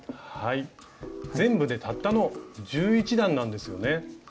全部でたったの１１段なんですよね。